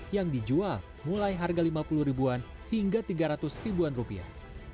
yang dijual mulai harga rp lima puluh an hingga rp tiga ratus an